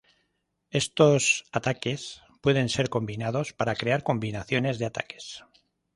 Estos ataques pueden ser combinados para crear combinaciones de ataques.